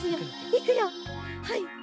いくよはい。